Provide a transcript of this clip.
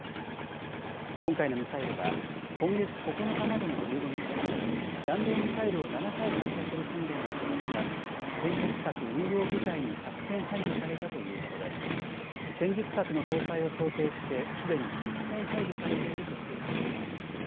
今回のミサイルは今月９日までの１５日間、弾道ミサイルを７回発射する訓練を行った戦術核運用部隊に作戦配備されたということで戦術核の搭載を想定してすでに実戦配備されているとしています。